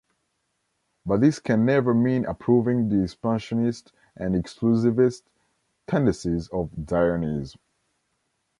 But this can never mean approving the expansionist and exclusivist tendencies of Zionism.